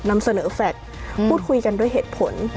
นำเสนอแฟลตพูดคุยกันด้วยเหตุผล